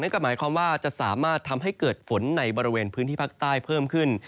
ก็หมายความว่าจะสามารถทำให้เกิดฝนในบริเวณพื้นที่ภาคใต้เพิ่มขึ้น